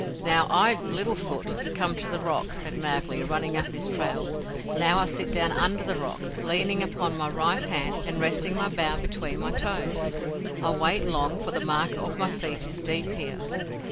"Now, I, Little Foot, come to the rock," said Mowgli, running up his trail. "Now, I sit down under the rock, leaning upon my right hand, and resting my bow between my toes. I wait long, for the mark of my feet is deep here."